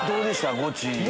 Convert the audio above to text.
ゴチ。